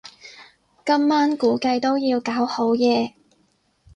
今晚估計都要搞好夜